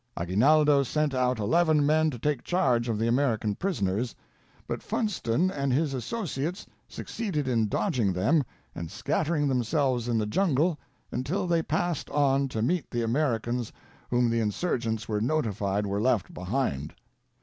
Aguinaldo sent out eleven men to take charge of the American prisoners, but Fun ston and his associates succeeded in dodging them and scattering them selves in the jungle until they passed on to meet the Americans whom the Insurgents were notified were left behind.